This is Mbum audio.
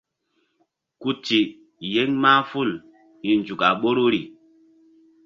Ku ti yeŋ mahful hi̧nzuk a ɓoruri.